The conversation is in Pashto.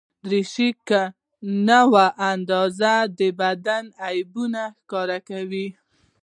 دریشي که نه وي اندازه، د بدن عیبونه ښکاره کوي.